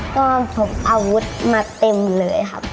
พลวงผมอาวุธมาเต็มเลยครับ